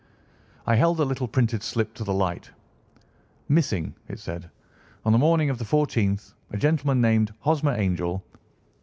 I held the little printed slip to the light. "Missing," it said, "on the morning of the fourteenth, a gentleman named Hosmer Angel.